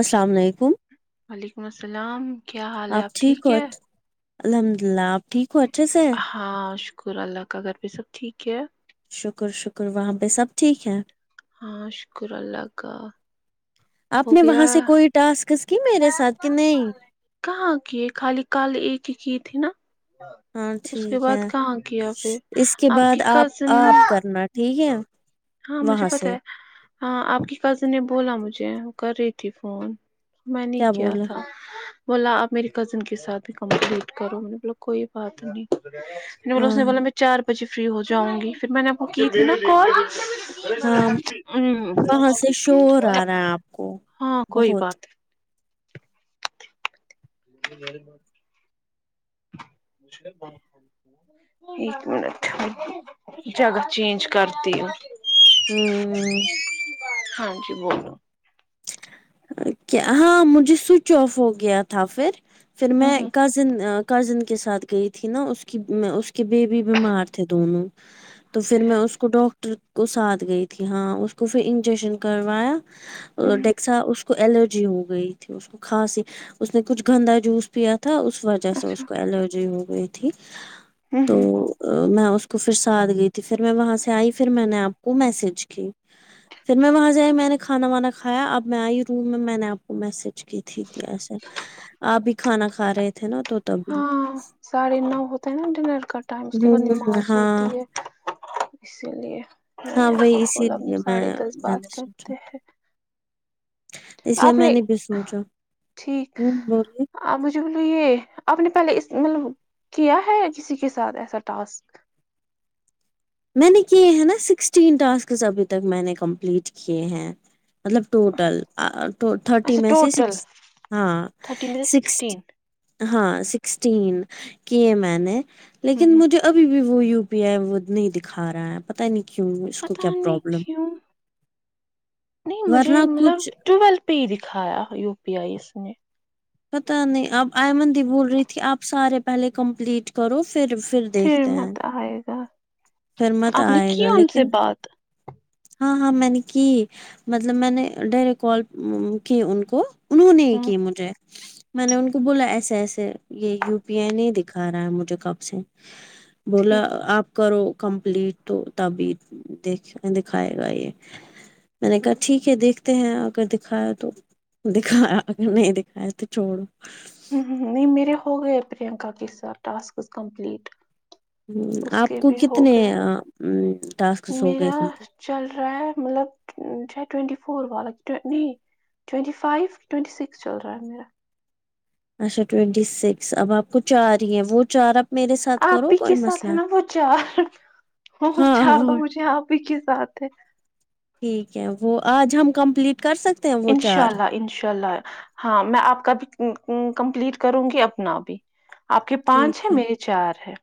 السلام علیکم وعلیکم السلام کیا حال ہے آپ ٹھیک ہے الحمد للہ آپ ٹھیک ہو اچھے سے ہیں؟ ہاں شکر اللہ کا گھر پہ سب ٹھیک ہے شکر شکر وہاں پہ سب ٹھیک ہے ہاں شکر اللہ کا ہو آپ نے گیا وہاں سے کوئی ٹاسک کس کی میرے ساتھ کہ نہیں کہاں کی خالی کال ایک ہی کی تھی نا ہاں اس کے ٹھیک بعد ہے کہاں کیا پھر اس کے آپ کی بعد کزن آپ کرنا ٹھیک ہے ہاں مجھے وہاں پتا سے ہے ہاں آپ کی کزن نے بولا مجھے وہ کر رہی تھی فون میں نے ہی کیا تھا بولا آپ میری کزن کے ساتھ بھی کمپلیٹ کرو میں نے بولا کوئی بات نہیں پھر اس ہاں نے بولا میں چار بجے فری ہو جاؤں گی پھر میں نے آپ کو کی تھی نا کال ہاں وہاں سے شور آ رہا ہے آپ کو ہاں کوئی بہت بات ایک منٹ جگہ چینج کرتی ہوں ہوں ہاں جی بولو کیا ہاں مجھے سوئچ آف ہو گیا تھا پھر پھر میں ہوں کزن کے ساتھ گئی تھی نا اس کی اس کے بیےبی بیمار تھے دونوں تو پھر میں اس کو ڈاکٹر کو ساتھ گئی تھی ہاں اس کو پھر انجشن کروایا ڈیکسا اس اس کو الرجی ہو گئی تھی اس کو کھانسی اس نے کچھ گندا جوس پیا تھا اس وجہ جیسے اچھا اس کو الرجی ہو گئی تھی تو ہوں میں اس کو پھر ساتھ گئی تھی پھر میں وہاں سے آئی پھر میں نے آپ کو میسج کی پھر میں وہاں ائی میں نے کانا وانا کھایا اب میں آئی روم میں میں نے آپ کو میسج کی تھی کی ایسا آپ بھی کھانا کھا رہے تھے نا تو تبھی ہاں ساڑھے نو ہوتا ہے نا ڈنر کا ٹائم اس کے بعد ہوں نماز ہوتی ہاں ہے اسی لیے میں نے ہاں آپ کو وہی اسی بولا لیے میں ساڑھے دس میں بات نے سوچا کرتے ہیں اس لیے آپ میں نے بھی سوچھا ٹھیک ہمم بلیے آپ مجھے بولیے آپ نے پہلے اس مطلب کیا ہے یا کسی کے ساتھ ایسا ٹاسک میں نے کیے ہیں نا سکسٹین ٹاسکس ابھی تک میں نے کمپلیٹ کیے ہیں مطلب ٹوٹل تھرٹی اچھا میں سے ٹوٹل سکس ہاں تھرٹی میں سے سکس سکسٹین ہاں سکسٹین کیے میں نے لیکن مجھے ابھی بھی وہ یو پی آئی وہ نہیں دکھا رہا ہے پتا نہیں کیوں اس کو پتا کیا نہیں پرابلم کیوں نہیں مجھے ورنہ مطلب کچھ ٹویل پے ہی دکھایا یو پی آئی اس نے پتا نہیں اب آئمنندی بول رہی تھی آپ سارے پہلے کمپلیٹ کرو پھر پھر دیکھتے ہیں مت آئے گا پھر مت آپ نے آئے کی گا ان سے لیکن بات ہاں ہاں مینے کی مطلب میں نے ڈائریکٹ کال کی ان کو انہوں نے ہی ہوں کی مجھے میں نے ان کو بولا ایسے ایسے یے یو پی آئی نہیں دکھا رہا ہے مجھے کب سے بولا ٹھیک آپ کرو کمپلیٹ تو تبی دیکھ دکھائے گا یے میں نے کہا ٹھیک ہے دیکھتے ہیں اگر دکھایا تو دکھایا اگر نہیں دیک کھایا تو چوڑو نہیں میرے ہو گئے پرینکا کے ساتھ ٹاسکس کمپلیٹ اس آپ کے کو بھی ہو کتنے گئے ٹاسکس ہو گئے میرا کمپلیٹ چل رہا ہے مطلب چے ٹوینٹی فور والا نہیں ٹوئٹی فائیو ٹئینٹی سکس چل رہا ہے میرا اچھا ٹوینٹی سکس اب آپ کو چار ہی ہے وہ چار آپ میرے ساتھ آپ کرو ہی کے کوئی ساتھ ہے مسئلہ نا وہ چار وہ چار تو مجھے آپ ہی کے ساتھ ہے ٹھیک ہے وہ آج ہم کمپلیٹ کر سکتے ہیں وہ انشاء چار اللہ انشاء اللہ ہاں میں آپ کا بھی کمپلیٹ کروں گی اپنا بھی آپ کے پانچ ہیں ٹھیک ہے میرے چار ہے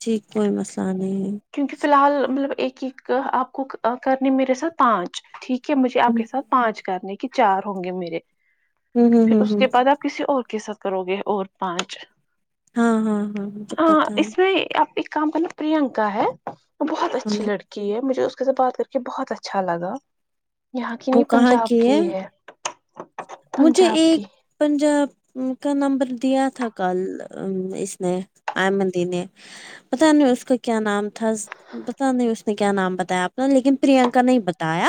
ٹھیک کوئی مسئلہ نہیں کیونکہ فی الحال مطلب ایک ایک آپ کو کرنے میرے ساتھ پانچ ٹھیک کہ مجھے آپ کے ساتھ پانچ کرنے کے چار ہوں گے میرے ہ ہ پھر ہ اس ہ کے بعد آپ کسی اور قست کرو گے اور پانچ ہاں ہاں مجھے ہاں پتا ہے اس میں آپ ایک کام پل پرینکا ہے وہ بہت ہاں اچھی لڑکی ہے مجھے اس کے سے بات کر کے بہت اچھا لگا یہاں کی نہیں پنجاب کی ہے مجھے پنجاب ایک کی پنجاب کا نمبر دیا تھا کل اس نے آئمندی نے پتا نہیں اس کا کیا نام تھا پتہ نہیں اس نے کیا نام بتایا اپنا لیکن پریانکا نہیں بتایا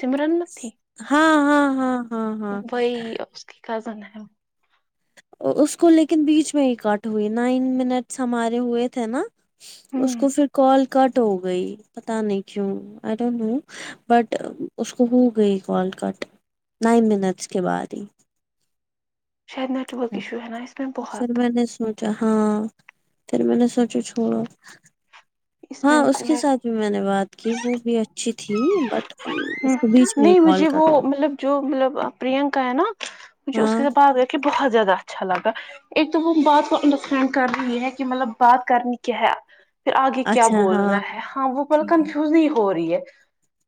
سمرن مت تھی ہاں ہاں ہاں ہاں ہاں وہی اس کی کزن ہے اس کو لیکن بیچ میں ہی کٹ ہوئی نائن منٹس ہمارے ہوئے تھے نا اس ہوں کو پھر کال کٹ ہو گئی پتا نہیں کیوں آئی ڈونٹ نو بٹ اس کو ہو گئی کال کٹ نائن منٹس کے بعد ہی شاید نیٹ ورک ہ ایشو ہے نا اس میں پر بہت میں نے سوچ ہاں پھر میں نے سوچا چھوڑو میں ہاں اس کے نیٹ ساتھ جو میں نے بات کی وہ بھی اچھی تھی بٹ ہ اس کو بیچ میں ہی نہیں کال مجھے وہ کٹ مطلب جو مطلب پرینکا ہے نا مجھے اس ہاں کےب کہ بہت زیادہ اچھا لگا ایک تو وہ بات کو انڈرسٹینڈ کر رہی ہے کہ مطلب بات کرنی کیا ہے پھر آگے کیا اچھا بولنا ہاں ہے ہاں وہ مل کنفیوز نہیں ہو رہی ہے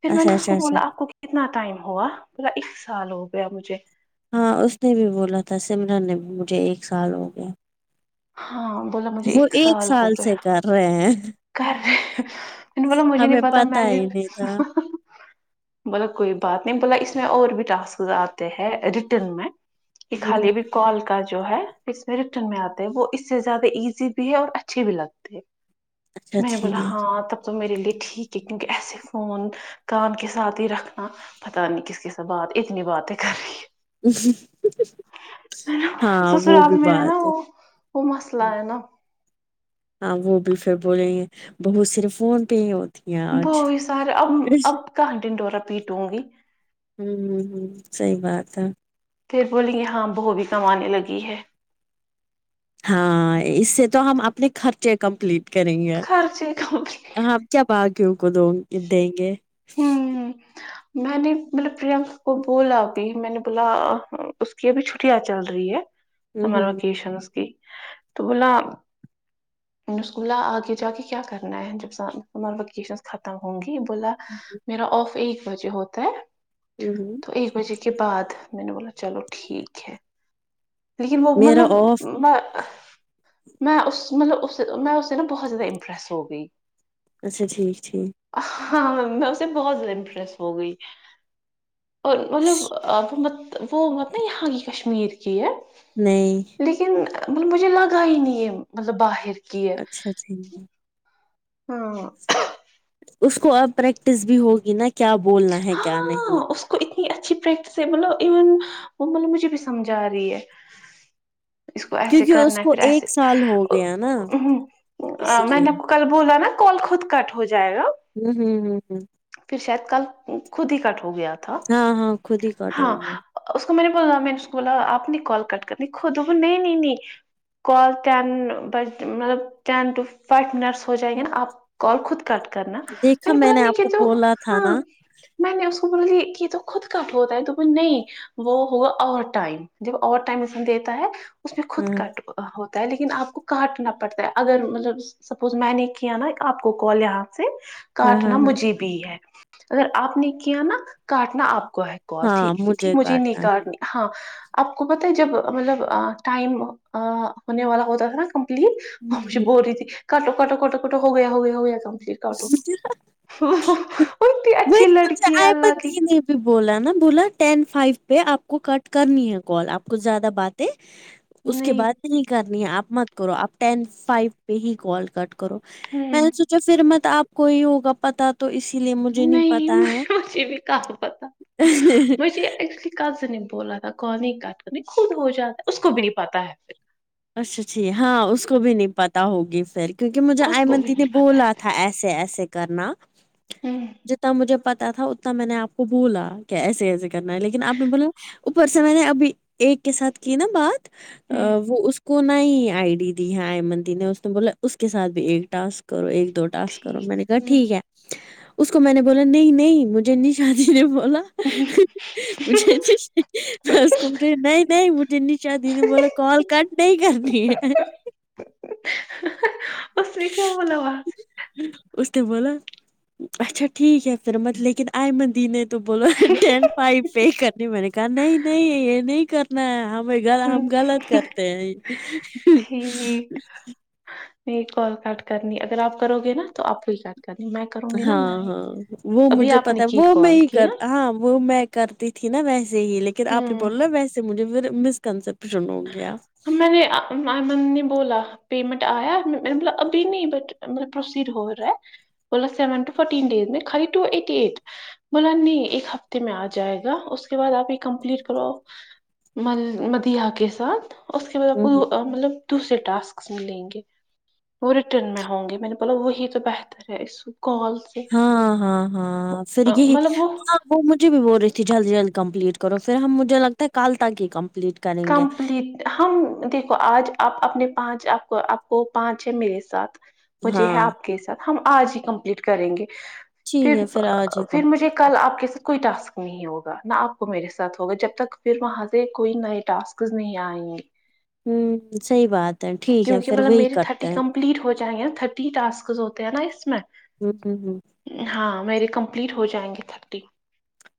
پھر میں اچھا نے اچھا کو اچھا بولا آپ کو کتنا ٹائم ہوا پلا ایک سال ہو گیا مجھے ہاں اس نے بھی بولا تھا سمرن نے مجھے ایک سال ہو گیا ہاں بولا مجھے وہ ایک ہو سال سے گیا کر رہے ہیں کر رہے ت ملب مجے نہیں ہمیں پتا میں نے ہی نہیں تھا بولا کوئی بات نہیں بولا اس میں اور بھی ٹاسک آتے ہیں ریٹرن میں یہ ہ خالے بھی کال کا جو ہے پس میں ریٹرن میں آتا ہے وہ اس سے زیادہ ایزی بھی ہے اور اچھی بھی لگتی ہے اچھا میں نے بولا ٹھیک ہاں تب تو میرے لیے ٹھیک ہے کیونکہ ایسے فون کام کے ساتھ ہی رکھنا پت نہیں کس کی س بات اتنی باتیں کر رہی ہے نا ہاں وہ بھی سسرال میں بات نا ہے وہ وہ مسئلہ آ نا ہاں وہ بھی پھر بولیں گے بہت صرف فون پہ ہی ہو وہی سارے اب اب کہاں دن دوورا پیٹ ہوں گی ہوں ہوں ہوں صحیح بات ہے پھر بولیں گے ہاں بو بھی کمانے لگی ہے ہاں اس سے تو ہم اپنے خرچے کمپلیٹ کریں گے خرچے کم ہ کیا باقی کو دو دیں گے ہممم میں نے مطلب پریہ کو بولا ابھی میں نے بولا کی اب چھٹیاں چل رہی ہے ہوں سمر ہوں وکیشنس کی تو بولا میں نے بولا اس کو آگے جا کے کیا کرنا ہے جب سمر ویکیشن ختم ہوں گی بولا میرا آف ایک بجے ہوتا ہے ہمم ہمم تو ایک بجے کے بعد میں نے بولا چلو ٹھیک ہے لیکن وہ میرا مطلب آف ما میں اس مطلب اس سے میں اس سے نا بہت زیادہ امپرس ہو گئی اچھا ٹھیک ٹھیک ہاں میں اس سے بہت زیادہ امپریس ہو گئی اور مطلب ا وہ مط وہ وہاں کی کشمیر کی ہے نہیں لیکن مب مجھے لگا ہی نہیں ہے مطلب باہر کی ہے اچھا جی ہاں اس کو اب پریکٹس بھی ہوگی نا کیا بولنا ہے کیا ہاں نہیں اس کو اتنی اچھی پریکٹس ہے مطلب علم وہ مطلب مجھے بھی سمجھا رہی ہے اس کو ایسے کیونکہ اس کرنا ہے کو پھر ایسے ایک سال ہو گیا نا اسی اہہ میں لیے نا کو کل بولا نا کال خود کٹ ہو جائے گا ھمممم پھر شاید کل خود ہی کٹ ہو گیا تھا ہاں ہاں خود ہی کٹ ہاں ہو گیا اس کو میں نے بولا میں نے اس کو بولا آپ نے کال کٹ کرنی خود نہیں نہیں نہیں کال ٹین بج مطلب ٹین ٹو فائیو منٹس ہو جائیں گے نا آپ کال خود کٹ کرنا دیکھا مینے میں بولا نے آپ نچے کو تو بولا تھا ہاں نا میں نے اس کو بولی یہ تو خود کاٹ ہوتا ہے تو بولی نہیں وہ ہوگا اور ٹائم جب اور ٹائم انگ دیتا ہے اس میں خود ہاں کٹ ہو ہوتا ہے لیکن آپ کو کاٹنا پڑتا ہے اگر مطلب سپوز میں نے کیا نا آپ کو کال یہاں سے ہاں کاٹنا ہاں ہاں مجھے بھی ہے اگر آپ نے کیا نا کاٹنا آپ کو ہے کال ہاں ٹھیک یک مجھے نہیں کاٹنا ہے ہوں کاٹنی ہاں آپ کو پتا ہے جب مطلب ٹائم ہونے والا ہوتا تھا نا کمپلیٹ وہ مجھے بول رہی تھی کٹو کٹو کٹو کٹو ہو گیا ہو گیا ہو گیا کمپلیٹ کاٹو اتنی اچھی مجھے لڑکی ہے اللہ احمد کی دی نے بولا نا بولا ٹین فائیو پہ آپ کو کٹ کرنی ہے کال آپ کو زیادہ باتیں اس کے نہیں بات بھی نہیں کرنی ہے آپ مت کرو آپ ٹین فائیو پہ ہی کال کٹ کرو میں نے ہوں سوچا پھر مت آپ کو ہی ہوگا پتا تو اسی لیے مجھے نہیں پتا ہے مجھے مجھے بھی کہاں پتا مجھے ایکچولی کزن نے بولا تھا کال نہیں کاٹ کرنے خود ہو جاتا ہے اس کو بھی نہیں پتا ہے پھر اچھا چھی ہاں اس کو بھی نہیں پتا ہوگی پھر کیونکہ مجھے پھر اس کو آئیمن بھی دی نے نہیں پتا ہے بولا تھا ایسے ایسے کرنا پھر ہوں جتنا مجھے پتا تھا اتنا میں نے آپ کو کو بولا کیا ایسے ایسے کرنا ہے لیکن آپ نے بولا اوپر سے میں نے ابھی ایک کے ساتھ کی نا بات ہوں وہ اس کو نئی آئی ڈی دی ہے آئیمن دی نے اس نے بولا اس کے ساتھ بھی ایک ٹاسک کرو ایک دو ٹاسک کرو ٹھیک میں نے کہا ہوں ٹھیک ہے اس کو میں نے بولا نہیں نہیں مجھے نہیں شادی نے بولا مجھے اش ٹاسک کمپلیٹ نہیں نہیں مجھے نشہ دی نے بولا کال کٹ نہیں کرنی ہے اس نے کیا بولا وہاں سے اس تو بولا اچھا ٹھیک ہے سر مت لیکن آئیمن دی نے تو بوولو ٹین فائیو پے کرنی میں نے کہا نہیں نہیں یہ نہیں کر نہیں ہمیں ہوں ہم غلط کرتے ہیں ٹھیک نہیں کال کٹ کرنی اگر آپ کرو گے نا تو آپ ہی کر کہ میں کروں گی نا میں ہاں ہی ہاں وہ ابھی مجھے آپ نے پتا ہے کی وہ میں کال ہی کی نا کرتا ہاں وہ میں کرتی تھی نا ویسے ہی لیکن آپ نے ہوں بولا نا ویسے مجھے پھر مس کنسپشن ہو گیا میں نے ایمن نے بولا پیمنٹ آیا مطلب ابھی نہیں ب مطب پروسیڈ ہو رہا ہے پ سیون ٹ فین ڈز میں خ ای ایٹ بولا نہیں ایک ہفتے میں آ جائے گا اس کے بعد آپ یہ کمپلیٹ کرو م مدیا کے ساتھ اس کے بعد آپ ہوں ہوں مطلب دوسرے ٹاسکس میںلیں گے وہ ریٹرن میں ہوں گی میں نے بولا وہی تو بہتر ہے اس کال سے ہاں ہاں ہاں سر آ، کہ مطلب وہ وہ مجھے بھی بول رہی تھی جلد جلد کمپلیٹ کرو پھر ہم مجھے لگتا ہے کل تک ہی کمپلیٹ کریں گے کمپلیٹ ہم دیکھو آج آپ اپنے پانچ آپ کو آپ کو پانچ ہے میرے ساتھ مجھے ہے ہاں آپ کے ساتھ ہم آج ہی کمپلیٹ کریں گے ٹھیک پھر ہے آج ہی پھر کمپلیٹ مجھے کل آپ کے ساتھ کوئی ٹسک نہیں ہوگا نہ آپ کو میرے ساتھ ہوگا جب تک پھر وہاں سے کوئی ن ٹسکس نہیں آئے ہوں صحیح بات ہے ٹھیک ہے پھر وہی کرتے ہیں لیٹ ہو جائیں گے تھرٹی ٹسک ہوتے ہیں نا اس میں ہوں ہوں ہوں ہاں میری کمپلیٹ ہو جائیں گے تھرٹی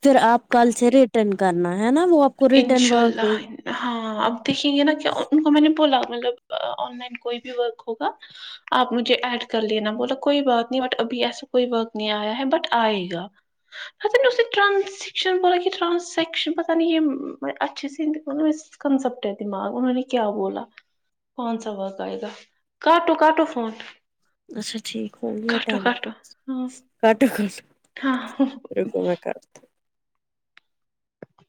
پھر آپ کل سے ریٹرن کرنا ہے نا وہ آپ کو ریٹرن انشاء وا اللہ گئی ہاں اب دیکھیں گے نا کہ ان کو میں نے بولا مطلب آن لائن کوئی بھی ورک ہوگا آپ مجھے ایڈ کر لینا بولا کوئی بات نہیں بٹ ابھی ایسا کوئی وقت نہیں آیا ہے بٹ آئے گا پ نہیں ٹرانزشن بوول کہ ٹرانزشن پتا نہیں یہ اچھی س کنسپٹ ہے دماغ ان نے کیا بولا پانچ سو واگ آائے گا کاٹو کٹو فونٹ اچھا ٹھیک ہووں گییا ٹائم ہاں کٹ کٹ ہاں